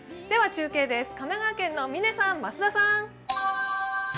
では中継です、神奈川県の嶺さん、増田さん。